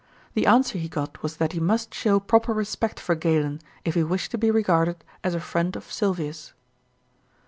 The answer he got was that he must show proper respect for Galen, if he wished to be regarded as a friend of Sylvius.